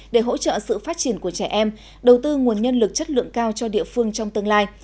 để hỗ trợ sự phát triển của trẻ em đầu tư nguồn nhân lực chất lượng cao cho địa phương trong tương lai